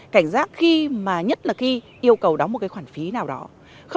cảnh giác khi mà nhất là khi yêu cầu đóng một cái khoản phí nào đó